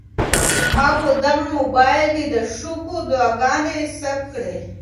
ما په دغه موبایل کي د شکر دعاګانې ثبت کړې.